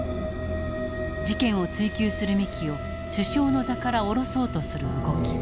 事件を追及する三木を首相の座からおろそうとする動き。